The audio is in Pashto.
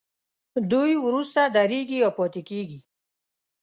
دوی وروسته درېږي یا پاتې کیږي.